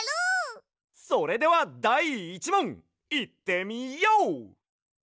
それではだい１もんいってみＹＯ！